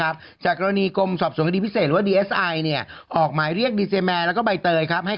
อึกอึกอึกอึกอึกอึกอึกอึกอึกอึก